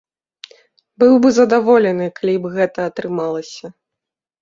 Быў бы задаволены, калі б гэта атрымалася.